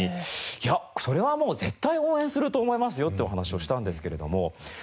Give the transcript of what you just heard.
「いやそれはもう絶対応援すると思いますよ」ってお話をしたんですけれども。